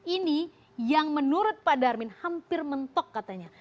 ini yang menurut pak darmin hampir mentok katanya